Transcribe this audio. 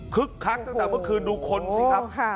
คักตั้งแต่เมื่อคืนดูคนสิครับ